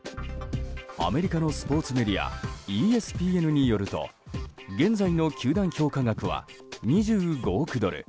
アメリカのスポーツメディアＥＳＰＮによると現在の球団評価額は２５億ドル。